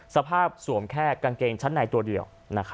สวมแค่กางเกงชั้นในตัวเดียว